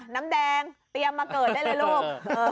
น้ำแดงเตรียมมาเกิดได้เลยลูก